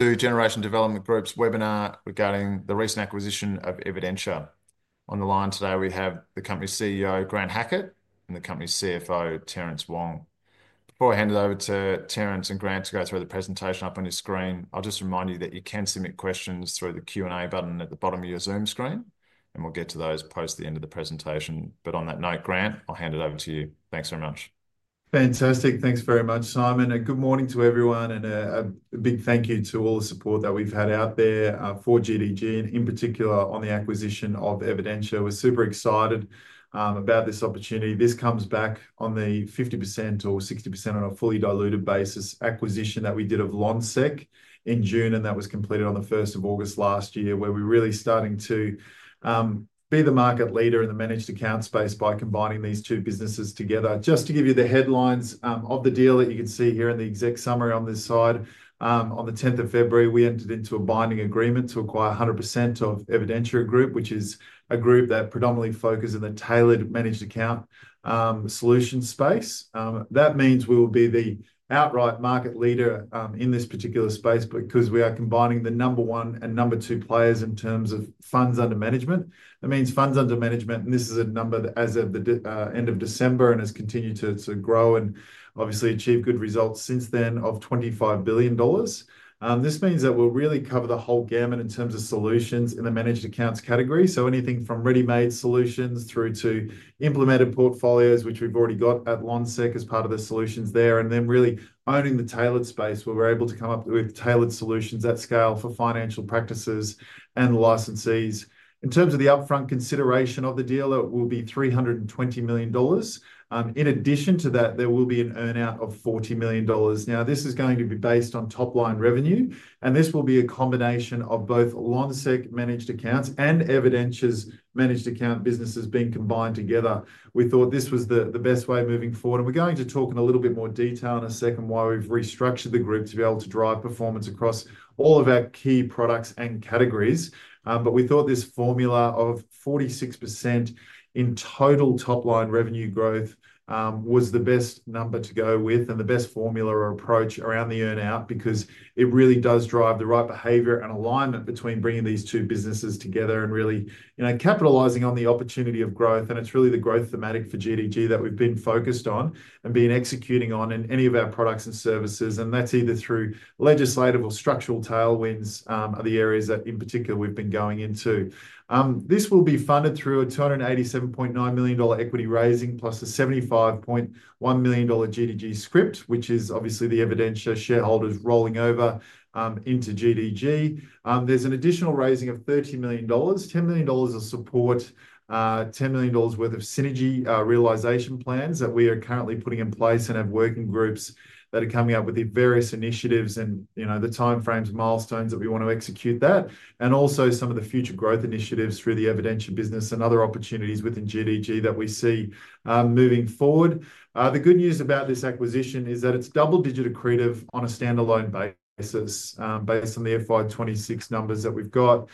The Generation Development Group's webinar regarding the recent acquisition of Evidentia. On the line today, we have the company's CEO, Grant Hackett, and the company's CFO, Terence Wong. Before I hand it over to Terence and Grant to go through the presentation up on your screen, I'll just remind you that you can submit questions through the Q&A button at the bottom of your Zoom screen, and we'll get to those post the end of the presentation. But on that note, Grant, I'll hand it over to you. Thanks very much. Fantastic. Thanks very much, Simon. A good morning to everyone, and a big thank you to all the support that we've had out there for GDG, and in particular on the acquisition of Evidentia. We're super excited about this opportunity. This comes back on the 50% or 60% on a fully diluted basis acquisition that we did of Lonsec in June, and that was completed on the 1st of August last year, where we're really starting to be the market leader in the managed account space by combining these two businesses together. Just to give you the headlines of the deal that you can see here in the exec summary on this side, on the 10th of February, we entered into a binding agreement to acquire 100% of Evidentia Group, which is a group that predominantly focuses on the tailored managed account solution space. That means we will be the outright market leader in this particular space because we are combining the number one and number two players in terms of funds under management. That means funds under management, and this is a number that, as of the end of December, has continued to grow and obviously achieve good results since then, of 25 billion dollars. This means that we'll really cover the whole gamut in terms of solutions in the managed accounts category. So anything from ready-made solutions through to Implemented Portfolios, which we've already got at Lonsec as part of the solutions there, and then really owning the tailored space where we're able to come up with tailored solutions at scale for financial practices and licensees. In terms of the upfront consideration of the deal, it will be 320 million dollars. In addition to that, there will be an earnout of 40 million dollars. Now, this is going to be based on top-line revenue, and this will be a combination of both Lonsec managed accounts and Evidentia's managed account businesses being combined together. We thought this was the best way moving forward, and we're going to talk in a little bit more detail in a second why we've restructured the group to be able to drive performance across all of our key products and categories. But we thought this formula of 46% in total top-line revenue growth was the best number to go with and the best formula or approach around the earnout because it really does drive the right behavior and alignment between bringing these two businesses together and really capitalizing on the opportunity of growth. And it's really the growth thematic for GDG that we've been focused on and been executing on in any of our products and services. And that's either through legislative or structural tailwinds, which are the areas that, in particular, we've been going into. This will be funded through an 287.9 million dollar equity raising plus an 75.1 million dollar GDG scrip, which is obviously the Evidentia shareholders rolling over into GDG. There's an additional raising of 30 million dollars, 10 million dollars of support, 10 million dollars worth of synergy realisation plans that we are currently putting in place and have working groups that are coming up with the various initiatives and the timeframes and milestones that we want to execute that, and also some of the future growth initiatives through the Evidentia business and other opportunities within GDG that we see moving forward. The good news about this acquisition is that it's double-digit accretive on a standalone basis based on the FY26 numbers that we've got.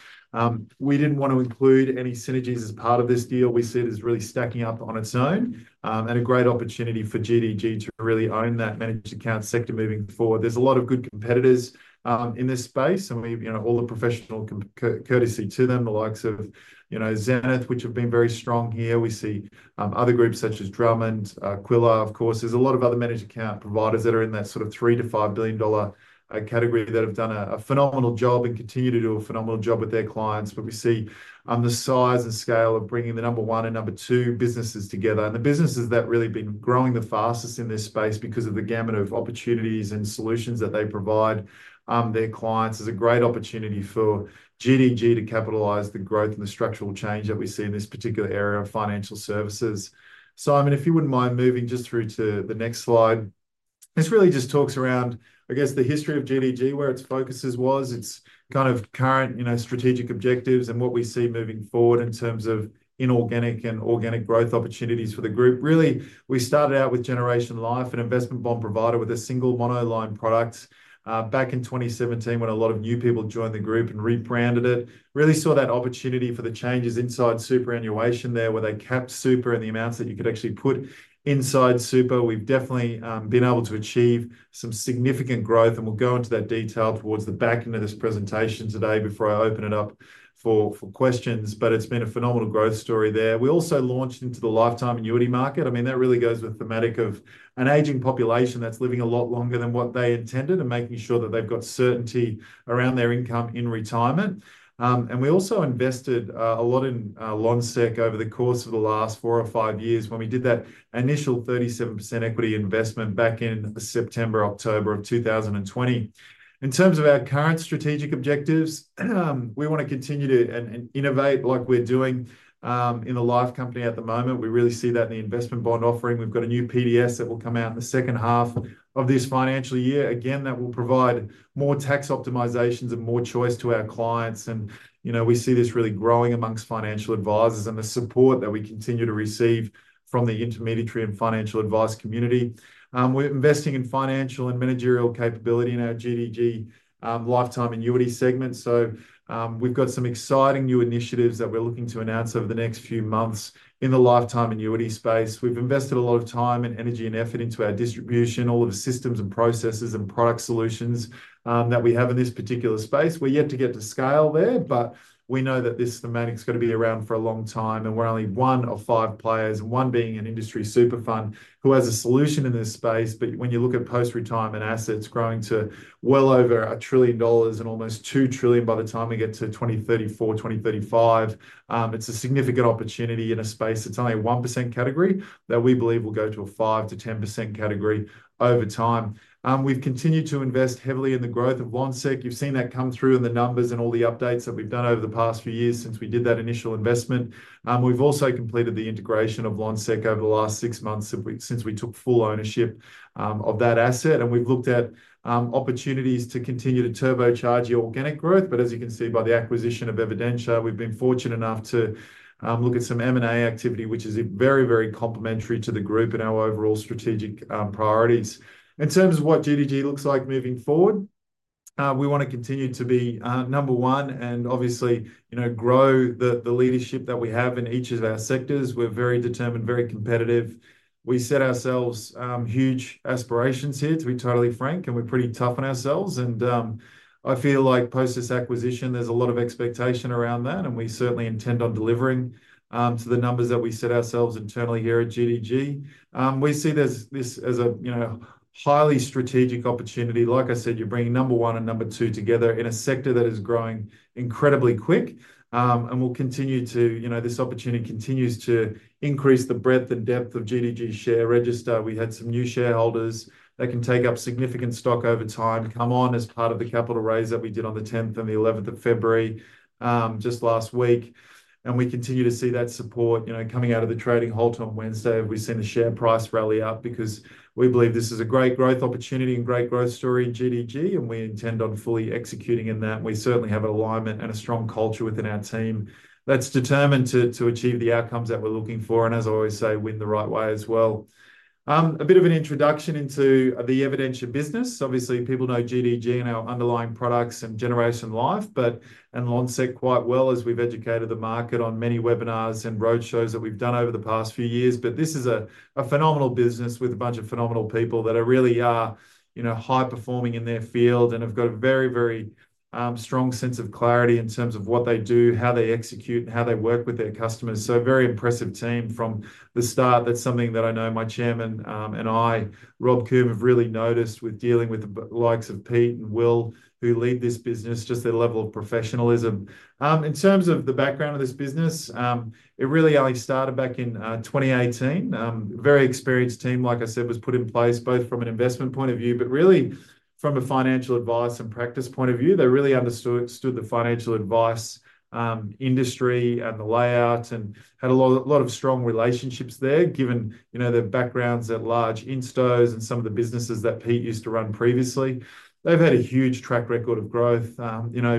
We didn't want to include any synergies as part of this deal. We see it as really stacking up on its own and a great opportunity for GDG to really own that managed account sector moving forward. There's a lot of good competitors in this space, and all the professional courtesy to them, the likes of Zenith, which have been very strong here. We see other groups such as Drummond, Quilla, of course. There's a lot of other managed account providers that are in that sort of $3-$5 billion category that have done a phenomenal job and continue to do a phenomenal job with their clients. But we see the size and scale of bringing the number one and number two businesses together. And the businesses that have really been growing the fastest in this space because of the gamut of opportunities and solutions that they provide their clients is a great opportunity for GDG to capitalize the growth and the structural change that we see in this particular area of financial services. Simon, if you wouldn't mind moving just through to the next slide. This really just talks around, I guess, the history of GDG, where its focus was, its kind of current strategic objectives, and what we see moving forward in terms of inorganic and organic growth opportunities for the group. Really, we started out with Generation Life, an investment bond provider with a single monoline product back in 2017 when a lot of new people joined the group and rebranded it. Really saw that opportunity for the changes inside superannuation there where they capped Super and the amounts that you could actually put inside Super. We've definitely been able to achieve some significant growth, and we'll go into that detail towards the back end of this presentation today before I open it up for questions. But it's been a phenomenal growth story there. We also launched into the lifetime annuity market. I mean, that really goes with the thematic of an aging population that's living a lot longer than what they intended and making sure that they've got certainty around their income in retirement. And we also invested a lot in Lonsec over the course of the last four or five years when we did that initial 37% equity investment back in September, October of 2020. In terms of our current strategic objectives, we want to continue to innovate like we're doing in the life company at the moment. We really see that in the investment bond offering. We've got a new PDS that will come out in the second half of this financial year. Again, that will provide more tax optimizations and more choice to our clients, and we see this really growing among financial advisors and the support that we continue to receive from the intermediary and financial advice community. We're investing in financial and managerial capability in our GDG lifetime annuity segment, so we've got some exciting new initiatives that we're looking to announce over the next few months in the lifetime annuity space. We've invested a lot of time and energy and effort into our distribution, all of the systems and processes and product solutions that we have in this particular space. We're yet to get to scale there, but we know that this thematic is going to be around for a long time. And we're only one of five players, one being an industry super FUM who has a solution in this space. But when you look at post-retirement assets growing to well over 1 trillion dollars and almost 2 trillion by the time we get to 2034, 2035, it's a significant opportunity in a space that's only a 1% category that we believe will go to a 5%-10% category over time. We've continued to invest heavily in the growth of Lonsec. You've seen that come through in the numbers and all the updates that we've done over the past few years since we did that initial investment. We've also completed the integration of Lonsec over the last six months since we took full ownership of that asset. We've looked at opportunities to continue to turbocharge your organic growth. But as you can see by the acquisition of Evidentia, we've been fortunate enough to look at some M&A activity, which is very, very complementary to the group and our overall strategic priorities. In terms of what GDG looks like moving forward, we want to continue to be number one and obviously grow the leadership that we have in each of our sectors. We're very determined, very competitive. We set ourselves huge aspirations here, to be totally frank, and we're pretty tough on ourselves. I feel like post this acquisition, there's a lot of expectation around that, and we certainly intend on delivering to the numbers that we set ourselves internally here at GDG. We see this as a highly strategic opportunity. Like I said, you're bringing number one and number two together in a sector that is growing incredibly quick. This opportunity continues to increase the breadth and depth of GDG's share register. We had some new shareholders that can take up significant stock over time, come on as part of the capital raise that we did on the 10th and the 11th of February just last week, and we continue to see that support coming out of the trading halt on Wednesday. We've seen the share price rally up because we believe this is a great growth opportunity and great growth story in GDG, and we intend on fully executing in that. We certainly have an alignment and a strong culture within our team that's determined to achieve the outcomes that we're looking for and, as I always say, win the right way as well. A bit of an introduction into the Evidentia business. Obviously, people know GDG and our underlying products and Generation Life and Lonsec quite well as we've educated the market on many webinars and roadshows that we've done over the past few years, but this is a phenomenal business with a bunch of phenomenal people that really are high performing in their field and have got a very, very strong sense of clarity in terms of what they do, how they execute, and how they work with their customers, so very impressive team from the start. That's something that I know my chairman and I, Rob Coombe, have really noticed with dealing with the likes of Pete and Will, who lead this business, just their level of professionalism. In terms of the background of this business, it really only started back in 2018. A very experienced team, like I said, was put in place both from an investment point of view, but really from a financial advice and practice point of view. They really understood the financial advice industry and the layout and had a lot of strong relationships there, given their backgrounds at large instos and some of the businesses that Pete used to run previously. They've had a huge track record of growth.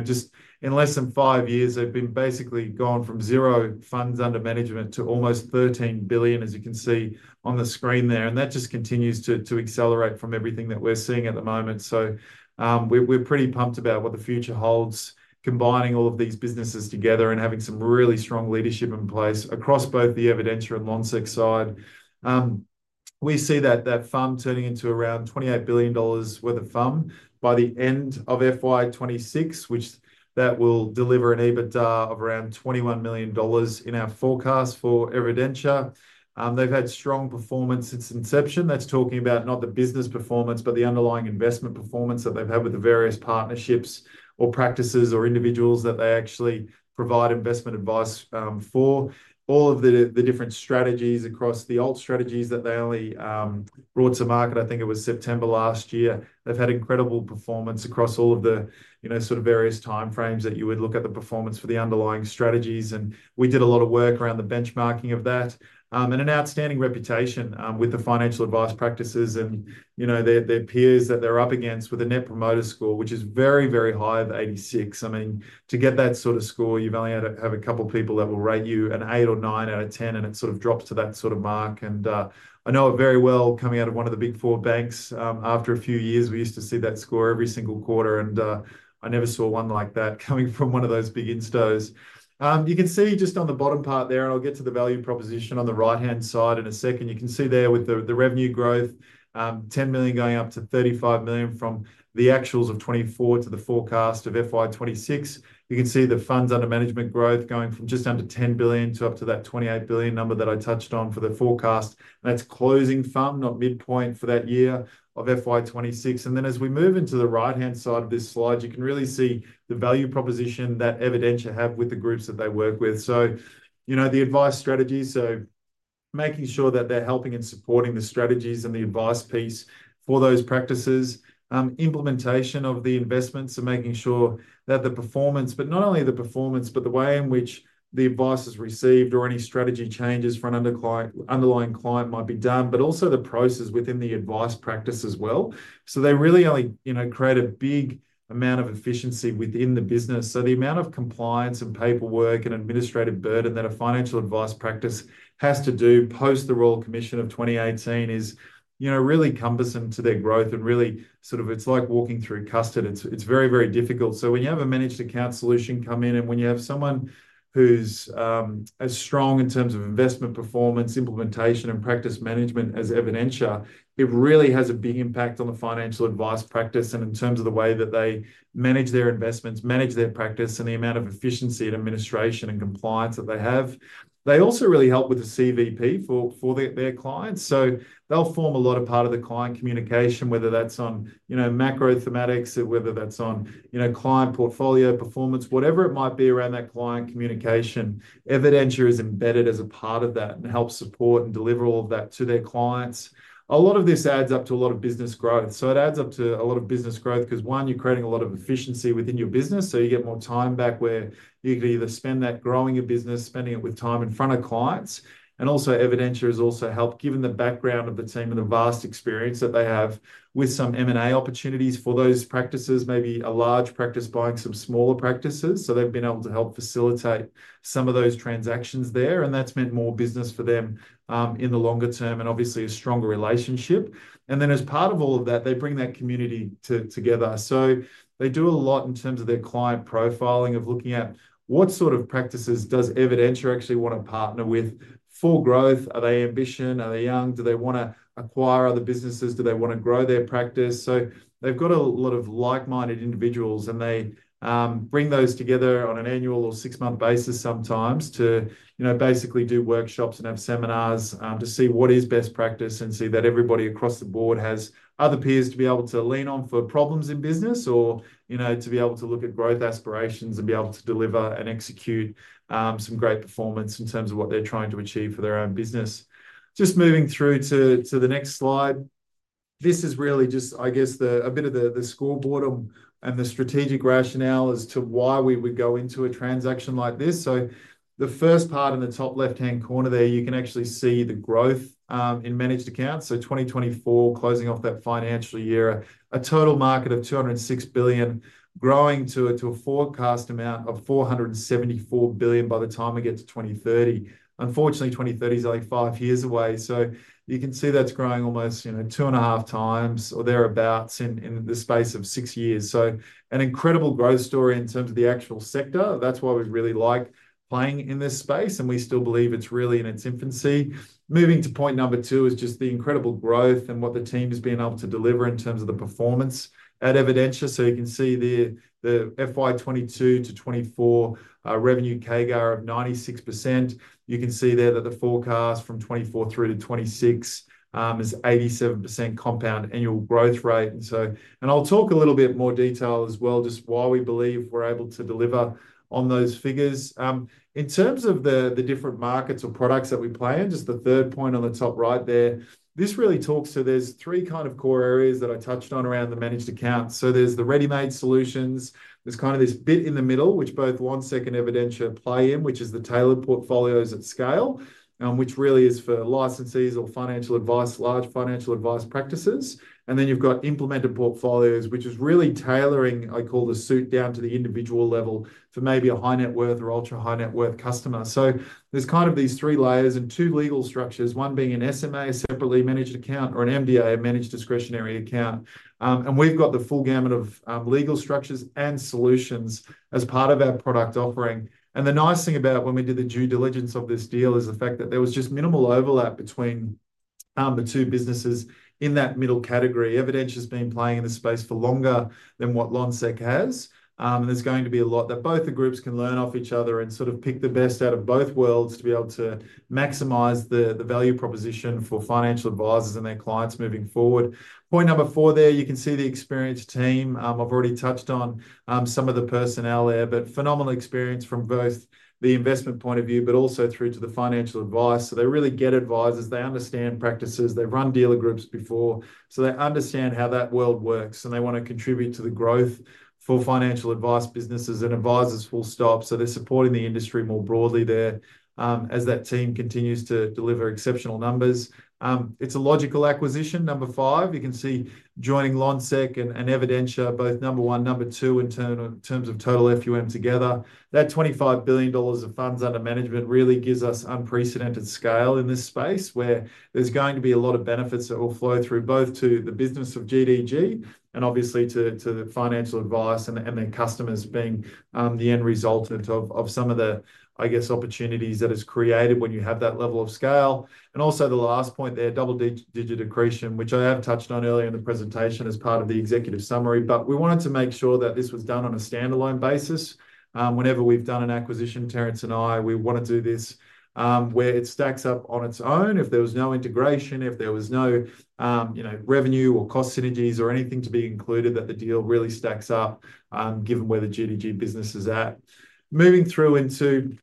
Just in less than five years, they've been basically gone from zero funds under management to almost 13 billion, as you can see on the screen there, and that just continues to accelerate from everything that we're seeing at the moment, so we're pretty pumped about what the future holds, combining all of these businesses together and having some really strong leadership in place across both the Evidentia and Lonsec side. We see that fund turning into around 28 billion dollars worth of fund by the end of FY26, which that will deliver an EBITDA of around 21 million dollars in our forecast for Evidentia. They've had strong performance since inception. That's talking about not the business performance, but the underlying investment performance that they've had with the various partnerships or practices or individuals that they actually provide investment advice for. All of the different strategies across the alt strategies that they only brought to market, I think it was September last year, they've had incredible performance across all of the sort of various timeframes that you would look at the performance for the underlying strategies. We did a lot of work around the benchmarking of that and an outstanding reputation with the financial advice practices and their peers that they're up against with a Net Promoter Score, which is very, very high of 86. I mean, to get that sort of score, you've only had to have a couple of people that will rate you an eight or nine out of ten, and it sort of drops to that sort of mark. I know very well coming out of one of the big four banks, after a few years, we used to see that score every single quarter, and I never saw one like that coming from one of those big instos. You can see just on the bottom part there, and I'll get to the value proposition on the right-hand side in a second. You can see there with the revenue growth, $10 million going up to $35 million from the actuals of 2024 to the forecast of FY 2026. You can see the funds under management growth going from just under $10 billion to up to that $28 billion number that I touched on for the forecast. That's closing fund, not midpoint for that year of FY 2026. And then as we move into the right-hand side of this slide, you can really see the value proposition that Evidentia have with the groups that they work with. So the advice strategies, so making sure that they're helping and supporting the strategies and the advice piece for those practices, implementation of the investments, and making sure that the performance, but not only the performance, but the way in which the advice is received or any strategy changes for an underlying client might be done, but also the process within the advice practice as well. So they really only create a big amount of efficiency within the business. So the amount of compliance and paperwork and administrative burden that a financial advice practice has to do post the Royal Commission of 2018 is really cumbersome to their growth. And really, sort of it's like walking through custard. It's very, very difficult. So when you have a managed account solution come in, and when you have someone who's as strong in terms of investment performance, implementation, and practice management as Evidentia, it really has a big impact on the financial advice practice and in terms of the way that they manage their investments, manage their practice, and the amount of efficiency and administration and compliance that they have. They also really help with the CVP for their clients. So they'll form a lot of part of the client communication, whether that's on macro thematics, whether that's on client portfolio performance, whatever it might be around that client communication. Evidentia is embedded as a part of that and helps support and deliver all of that to their clients. A lot of this adds up to a lot of business growth. So it adds up to a lot of business growth because, one, you're creating a lot of efficiency within your business. So you get more time back where you could either spend that growing your business, spending it with time in front of clients. And also, Evidentia has also helped, given the background of the team and the vast experience that they have, with some M&A opportunities for those practices, maybe a large practice buying some smaller practices. So they've been able to help facilitate some of those transactions there. And that's meant more business for them in the longer term and obviously a stronger relationship. And then as part of all of that, they bring that community together. So they do a lot in terms of their client profiling of looking at what sort of practices does Evidentia actually want to partner with for growth? Are they ambitious? Are they young? Do they want to acquire other businesses? Do they want to grow their practice? So they've got a lot of like-minded individuals, and they bring those together on an annual or six-month basis sometimes to basically do workshops and have seminars to see what is best practice and see that everybody across the board has other peers to be able to lean on for problems in business or to be able to look at growth aspirations and be able to deliver and execute some great performance in terms of what they're trying to achieve for their own business. Just moving through to the next slide. This is really just, I guess, a bit of the scoreboard and the strategic rationale as to why we would go into a transaction like this. The first part in the top left-hand corner there, you can actually see the growth in managed accounts. 2024, closing off that financial year, a total market of 206 billion growing to a forecast amount of 474 billion by the time we get to 2030. Unfortunately, 2030 is only five years away. You can see that's growing almost two and a half times or thereabouts in the space of six years. An incredible growth story in terms of the actual sector. That's why we really like playing in this space, and we still believe it's really in its infancy. Moving to point number two is just the incredible growth and what the team has been able to deliver in terms of the performance at Evidentia. You can see the FY22 to FY24 revenue CAGR of 96%. You can see there that the forecast from 2024 through to 2026 is 87% compound annual growth rate. And I'll talk a little bit more detail as well, just why we believe we're able to deliver on those figures. In terms of the different markets or products that we play in, just the third point on the top right there, this really talks to there's three kind of core areas that I touched on around the managed accounts. So there's the ready-made solutions. There's kind of this bit in the middle, which both Lonsec and Evidentia play in, which is the tailored portfolios at scale, which really is for licensees or financial advice, large financial advice practices. And then you've got Implemented Portfolios, which is really tailoring, I call the suit down to the individual level for maybe a high-net-worth or ultra-high-net-worth customer. So there's kind of these three layers and two legal structures, one being an SMA, separately managed account, or an MDA, a managed discretionary account. And we've got the full gamut of legal structures and solutions as part of our product offering. And the nice thing about when we did the due diligence of this deal is the fact that there was just minimal overlap between the two businesses in that middle category. Evidentia has been playing in the space for longer than what Lonsec has. And there's going to be a lot that both the groups can learn off each other and sort of pick the best out of both worlds to be able to maximize the value proposition for financial advisors and their clients moving forward. Point number four there, you can see the experienced team. I've already touched on some of the personnel there, but phenomenal experience from both the investment point of view, but also through to the financial advice, so they really get advisors. They understand practices. They've run dealer groups before, so they understand how that world works, and they want to contribute to the growth for financial advice businesses and advisors, full stop, so they're supporting the industry more broadly there as that team continues to deliver exceptional numbers. It's a logical acquisition. Number five, you can see, joining Lonsec and Evidentia, both number one, number two in terms of total FUM together. That $25 billion of funds under management really gives us unprecedented scale in this space where there's going to be a lot of benefits that will flow through both to the business of GDG and obviously to the financial advice and their customers being the end result of some of the, I guess, opportunities that is created when you have that level of scale, and also the last point there, double-digit accretion, which I have touched on earlier in the presentation as part of the executive summary, but we wanted to make sure that this was done on a standalone basis. Whenever we've done an acquisition, Terence and I, we want to do this where it stacks up on its own. If there was no integration, if there was no revenue or cost synergies or anything to be included, that the deal really stacks up given where the GDG business is at. Moving through into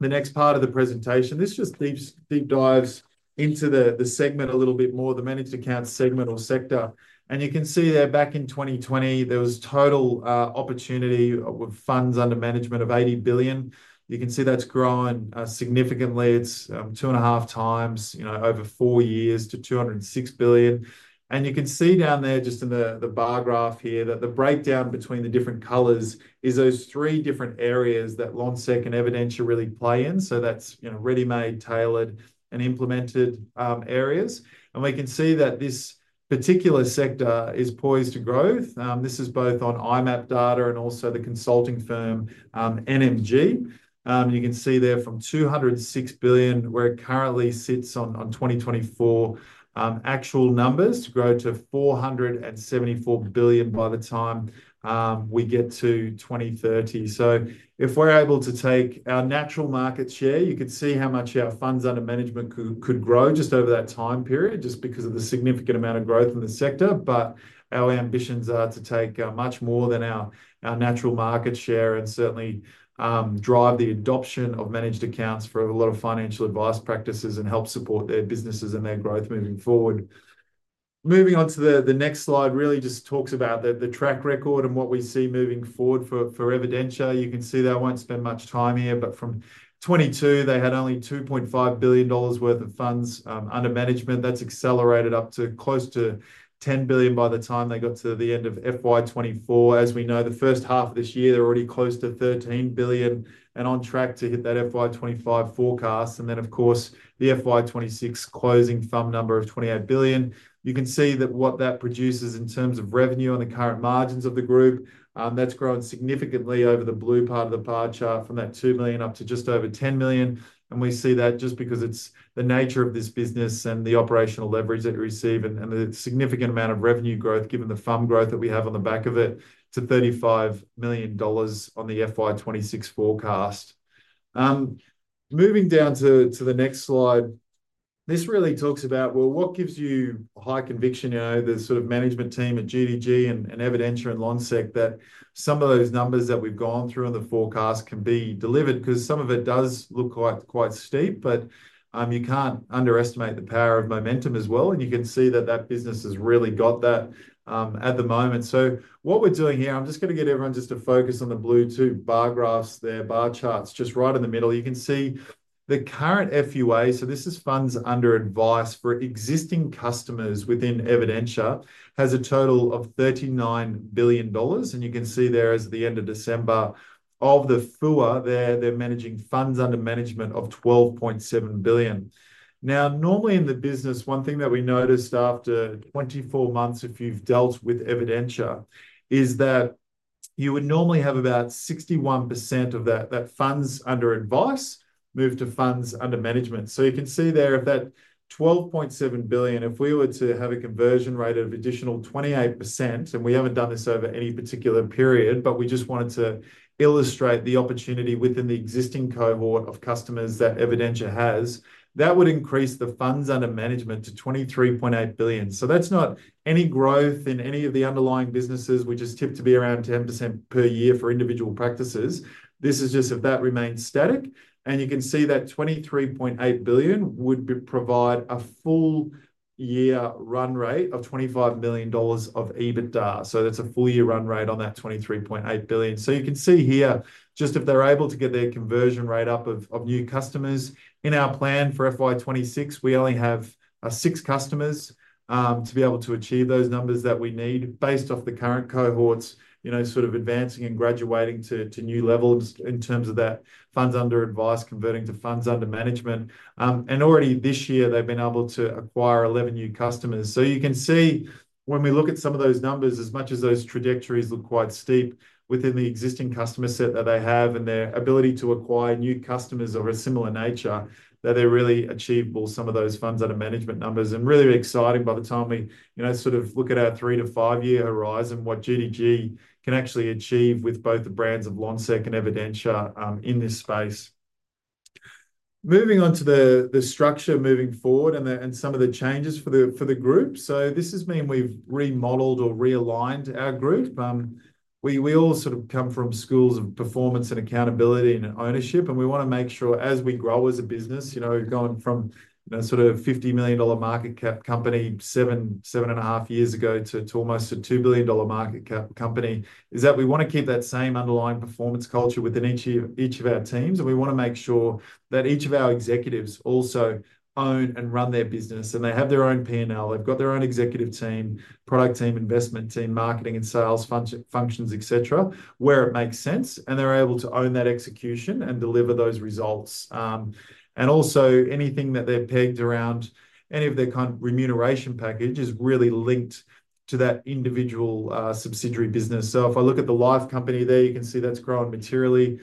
the next part of the presentation, this just deep dives into the segment a little bit more, the managed account segment or sector. And you can see there back in 2020, there was total opportunity with funds under management of 80 billion. You can see that's grown significantly. It's two and a half times over four years to 206 billion. And you can see down there just in the bar graph here that the breakdown between the different colors is those three different areas that Lonsec and Evidentia really play in. So that's ready-made, tailored, and Implemented areas. And we can see that this particular sector is poised to grow. This is both on IMAP data and also the consulting firm, NMG. You can see there from 206 billion, where it currently sits on 2024 actual numbers, to grow to 474 billion by the time we get to 2030. So if we're able to take our natural market share, you could see how much our funds under management could grow just over that time period, just because of the significant amount of growth in the sector. But our ambitions are to take much more than our natural market share and certainly drive the adoption of managed accounts for a lot of financial advice practices and help support their businesses and their growth moving forward. Moving on to the next slide, really just talks about the track record and what we see moving forward for Evidentia. You can see that I won't spend much time here, but from 2022, they had only 2.5 billion dollars worth of funds under management. That's accelerated up to close to 10 billion by the time they got to the end of FY24. As we know, the first half of this year, they're already close to 13 billion and on track to hit that FY25 forecast, and then, of course, the FY26 closing thumb number of 28 billion. You can see that what that produces in terms of revenue on the current margins of the group. That's grown significantly over the blue part of the bar chart from that 2 million up to just over 10 million. We see that just because it's the nature of this business and the operational leverage that you receive and the significant amount of revenue growth, given the FUM growth that we have on the back of it, to 35 million dollars on the FY26 forecast. Moving down to the next slide, this really talks about, well, what gives you high conviction, the sort of management team at GDG and Evidentia and Lonsec, that some of those numbers that we've gone through in the forecast can be delivered because some of it does look quite steep, but you can't underestimate the power of momentum as well. You can see that that business has really got that at the moment. So what we're doing here, I'm just going to get everyone just to focus on the blue two bar graphs there, bar charts just right in the middle. You can see the current FUA, so this is funds under advice for existing customers within Evidentia, has a total of $39 billion, and you can see there at the end of December of the FUA, they're managing funds under management of $12.7 billion. Now, normally in the business, one thing that we noticed after 24 months, if you've dealt with Evidentia, is that you would normally have about 61% of that funds under advice move to funds under management, so you can see there if that $12.7 billion, if we were to have a conversion rate of additional 28%, and we haven't done this over any particular period, but we just wanted to illustrate the opportunity within the existing cohort of customers that Evidentia has, that would increase the funds under management to $23.8 billion, so that's not any growth in any of the underlying businesses. We just aim to be around 10% per year for individual practices. This is just if that remains static. You can see that 23.8 billion would provide a full year run rate of 25 million dollars of EBITDA. That's a full year run rate on that 23.8 billion. You can see here, just if they're able to get their conversion rate up of new customers. In our plan for FY26, we only have six customers to be able to achieve those numbers that we need based off the current cohorts, sort of advancing and graduating to new levels in terms of that funds under advice converting to funds under management. Already this year, they've been able to acquire 11 new customers. So you can see when we look at some of those numbers, as much as those trajectories look quite steep within the existing customer set that they have and their ability to acquire new customers of a similar nature, that they're really achievable, some of those funds under management numbers. And really exciting by the time we sort of look at our three to five-year horizon, what GDG can actually achieve with both the brands of Lonsec and Evidentia in this space. Moving on to the structure moving forward and some of the changes for the group. So this has meant we've remodeled or realigned our group. We all sort of come from schools of performance and accountability and ownership. And we want to make sure as we grow as a business, going from sort of $50 million market cap company seven and a half years ago to almost a $2 billion market cap company, is that we want to keep that same underlying performance culture within each of our teams. And we want to make sure that each of our executives also own and run their business. And they have their own P&L. They've got their own executive team, product team, investment team, marketing and sales functions, etc., where it makes sense. And they're able to own that execution and deliver those results. And also, anything that they're pegged around, any of their kind of remuneration package is really linked to that individual subsidiary business. So if I look at the life company there, you can see that's grown materially.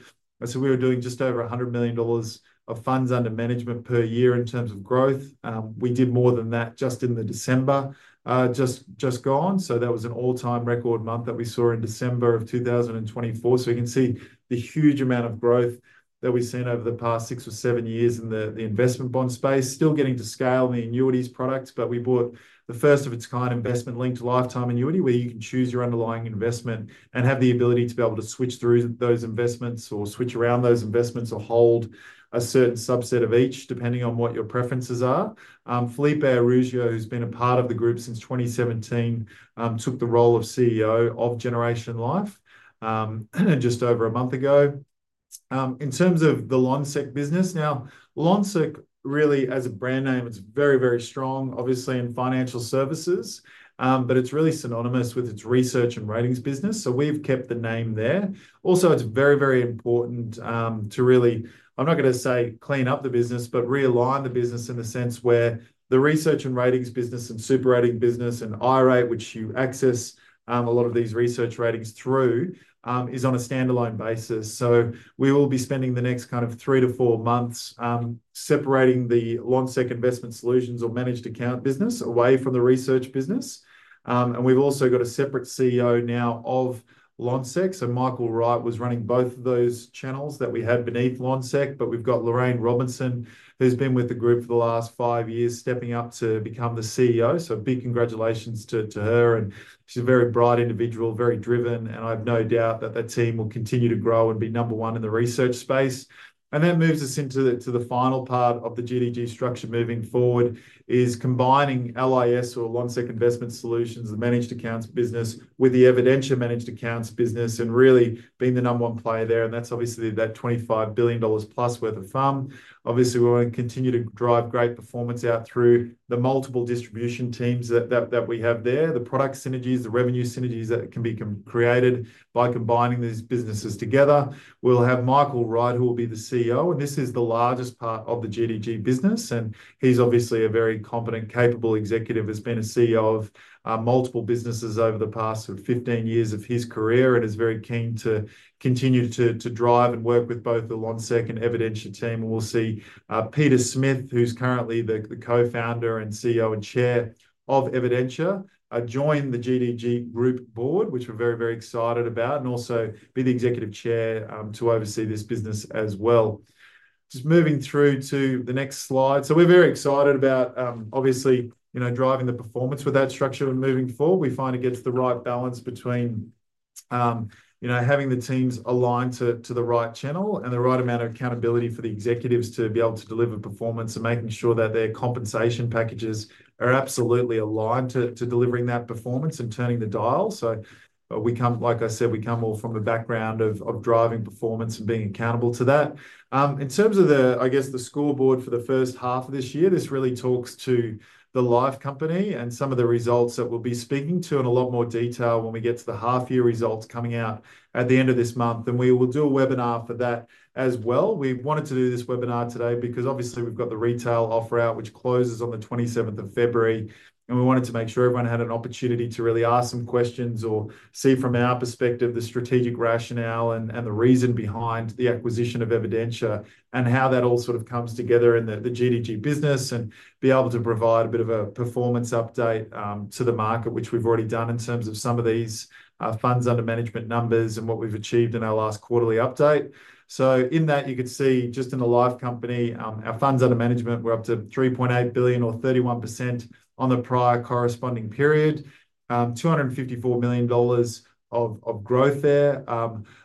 We were doing just over 100 million dollars of funds under management per year in terms of growth. We did more than that just in the December just gone. That was an all-time record month that we saw in December of 2024. You can see the huge amount of growth that we've seen over the past six or seven years in the investment bond space, still getting to scale the annuities products. We bought the first-of-its-kind Investment-linked Lifetime Annuity, where you can choose your underlying investment and have the ability to be able to switch through those investments or switch around those investments or hold a certain subset of each, depending on what your preferences are. Felipe Araujo, who's been a part of the group since 2017, took the role of CEO of Generation Life just over a month ago. In terms of the Lonsec business, now, Lonsec really, as a brand name, it's very, very strong, obviously, in financial services, but it's really synonymous with its research and ratings business. We've kept the name there. Also, it's very, very important to really, I'm not going to say clean up the business, but realign the business in the sense where the research and ratings business and SuperRatings business and iRate, which you access a lot of these research ratings through, is on a standalone basis. We will be spending the next kind of three to four months separating the Lonsec Investment Solutions or managed account business away from the research business. We've also got a separate CEO now of Lonsec. Michael Wright was running both of those channels that we had beneath Lonsec. But we've got Lorraine Robinson, who's been with the group for the last five years, stepping up to become the CEO. So big congratulations to her. And she's a very bright individual, very driven. And I have no doubt that that team will continue to grow and be number one in the research space. And that moves us into the final part of the GDG structure moving forward, is combining LIS or Lonsec Investment Solutions, the managed accounts business, with the Evidentia managed accounts business and really being the number one player there. And that's obviously that 25 billion dollars plus worth of fund. Obviously, we want to continue to drive great performance out through the multiple distribution teams that we have there, the product synergies, the revenue synergies that can be created by combining these businesses together. We'll have Michael Wright, who will be the CEO. This is the largest part of the GDG business. He is obviously a very competent, capable executive. He has been a CEO of multiple businesses over the past sort of 15 years of his career and is very keen to continue to drive and work with both the Lonsec and Evidentia team. We will see Peter Smith, who is currently the Co-founder and CEO and Chair of Evidentia, join the GDG Group board, which we are very, very excited about, and also be the Executive Chair to oversee this business as well. Just moving through to the next slide. We are very excited about, obviously, driving the performance with that structure moving forward. We find it gets the right balance between having the teams aligned to the right channel and the right amount of accountability for the executives to be able to deliver performance and making sure that their compensation packages are absolutely aligned to delivering that performance and turning the dial. So like I said, we come all from the background of driving performance and being accountable to that. In terms of, I guess, the scoreboard for the first half of this year, this really talks to the life company and some of the results that we'll be speaking to in a lot more detail when we get to the half-year results coming out at the end of this month. And we will do a webinar for that as well. We wanted to do this webinar today because, obviously, we've got the retail offer out, which closes on the 27th of February. We wanted to make sure everyone had an opportunity to really ask some questions or see from our perspective the strategic rationale and the reason behind the acquisition of Evidentia and how that all sort of comes together in the GDG business and be able to provide a bit of a performance update to the market, which we've already done in terms of some of these funds under management numbers and what we've achieved in our last quarterly update. So in that, you could see just in the life company, our funds under management were up to 3.8 billion or 31% on the prior corresponding period, 254 million dollars of growth there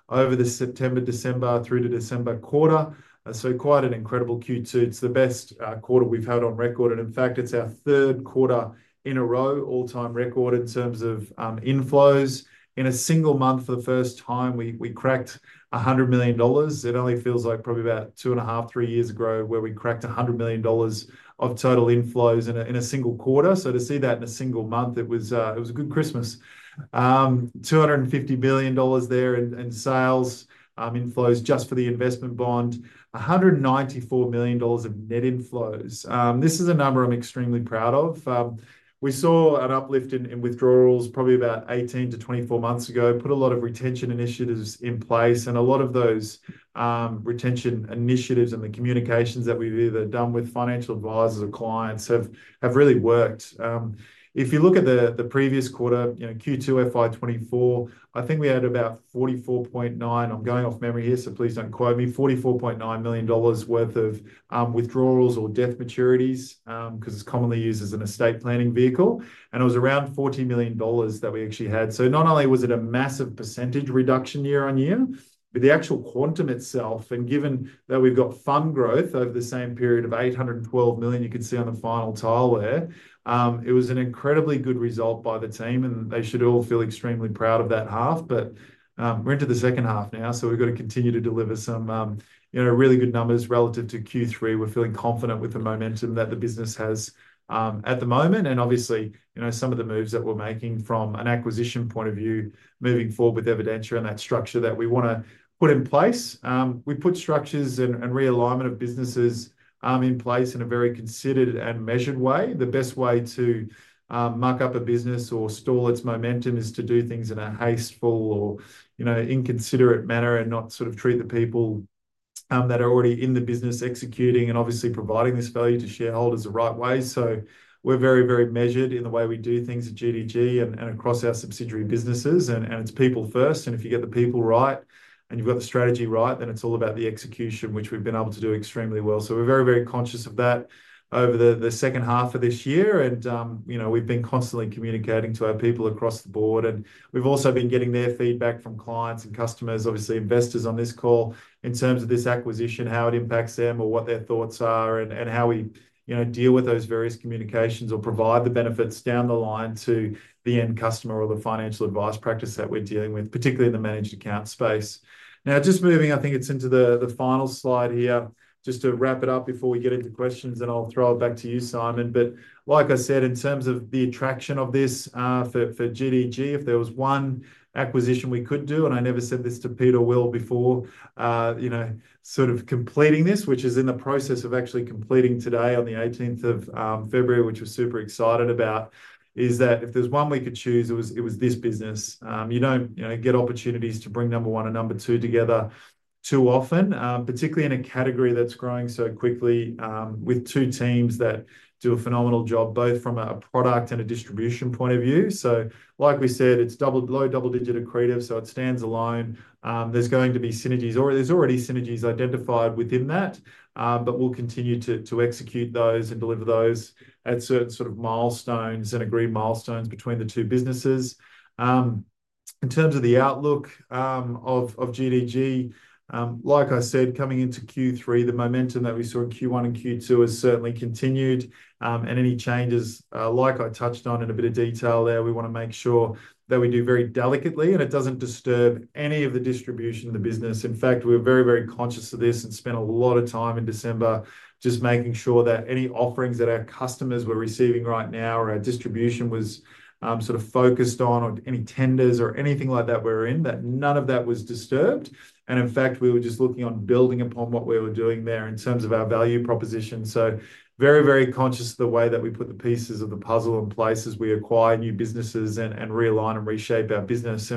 over the September-December through to December quarter. So quite an incredible Q2. It's the best quarter we've had on record. And in fact, it's our third quarter in a row, all-time record in terms of inflows. In a single month, for the first time, we cracked 100 million dollars. It only feels like probably about two and a half, three years ago where we cracked 100 million dollars of total inflows in a single quarter, so to see that in a single month, it was a good Christmas. 250 billion dollars there in sales inflows just for the investment bond, 194 million dollars of net inflows. This is a number I'm extremely proud of. We saw an uplift in withdrawals probably about 18 to 24 months ago, put a lot of retention initiatives in place, and a lot of those retention initiatives and the communications that we've either done with financial advisors or clients have really worked. If you look at the previous quarter, Q2 FY24, I think we had about 44.9, I'm going off memory here, so please don't quote me, 44.9 million dollars worth of withdrawals or death maturities because it's commonly used as an estate planning vehicle. And it was around 40 million dollars that we actually had. So not only was it a massive percentage reduction year on year, but the actual quantum itself, and given that we've got fund growth over the same period of 812 million, you can see on the final tile there, it was an incredibly good result by the team. And they should all feel extremely proud of that half. But we're into the second half now. So we've got to continue to deliver some really good numbers relative to Q3. We're feeling confident with the momentum that the business has at the moment. Obviously, some of the moves that we're making from an acquisition point of view moving forward with Evidentia and that structure that we want to put in place. We put structures and realignment of businesses in place in a very considered and measured way. The best way to muck up a business or stall its momentum is to do things in a hasty or inconsiderate manner and not sort of treat the people that are already in the business executing and obviously providing this value to shareholders the right way. So we're very, very measured in the way we do things at GDG and across our subsidiary businesses. It's people first. If you get the people right and you've got the strategy right, then it's all about the execution, which we've been able to do extremely well. So we're very, very conscious of that over the second half of this year. And we've been constantly communicating to our people across the board. And we've also been getting their feedback from clients and customers, obviously investors on this call, in terms of this acquisition, how it impacts them or what their thoughts are and how we deal with those various communications or provide the benefits down the line to the end customer or the financial advice practice that we're dealing with, particularly in the managed account space. Now, just moving, I think it's into the final slide here, just to wrap it up before we get into questions. And I'll throw it back to you, Simon. But like I said, in terms of the attraction of this for GDG, if there was one acquisition we could do, and I never said this to Peter and Will before, sort of completing this, which is in the process of actually completing today on the 18th of February, which we're super excited about, is that if there's one we could choose, it was this business. You don't get opportunities to bring number one and number two together too often, particularly in a category that's growing so quickly with two teams that do a phenomenal job both from a product and a distribution point of view. So like we said, it's low double-digit accretive, so it stands alone. There's going to be synergies. There's already synergies identified within that, but we'll continue to execute those and deliver those at certain sort of milestones and agreed milestones between the two businesses. In terms of the outlook of GDG, like I said, coming into Q3, the momentum that we saw in Q1 and Q2 has certainly continued. And any changes, like I touched on in a bit of detail there, we want to make sure that we do very delicately and it doesn't disturb any of the distribution of the business. In fact, we were very, very conscious of this and spent a lot of time in December just making sure that any offerings that our customers were receiving right now or our distribution was sort of focused on or any tenders or anything like that we're in, that none of that was disturbed. And in fact, we were just looking on building upon what we were doing there in terms of our value proposition. Very, very conscious of the way that we put the pieces of the puzzle in place as we acquire new businesses and realign and reshape our business.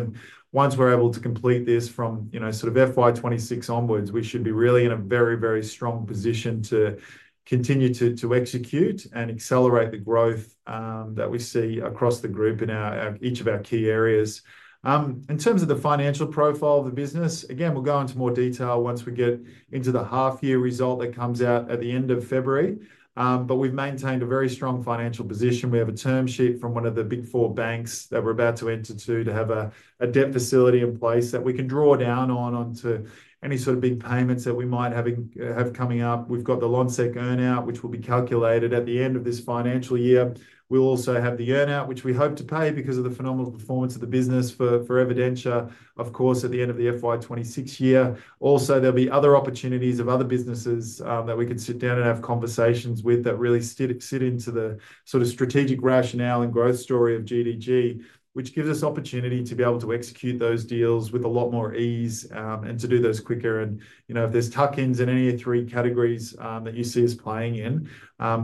Once we're able to complete this from sort of FY26 onwards, we should be really in a very, very strong position to continue to execute and accelerate the growth that we see across the group in each of our key areas. In terms of the financial profile of the business, again, we'll go into more detail once we get into the half-year result that comes out at the end of February. But we've maintained a very strong financial position. We have a term sheet from one of the big four banks that we're about to enter to have a debt facility in place that we can draw down on to any sort of big payments that we might have coming up. We've got the Lonsec earnout, which will be calculated at the end of this financial year. We'll also have the earnout, which we hope to pay because of the phenomenal performance of the business for Evidentia, of course, at the end of the FY26 year. Also, there'll be other opportunities of other businesses that we can sit down and have conversations with that really sit into the sort of strategic rationale and growth story of GDG, which gives us opportunity to be able to execute those deals with a lot more ease and to do those quicker, and if there's tuck-ins in any of three categories that you see us playing in,